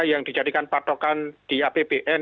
yang dijadikan patokan di apbn